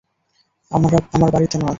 আমার বাড়িতে নয়।